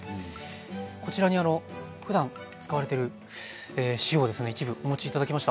こちらにふだん使われている塩をですね一部お持ち頂きました。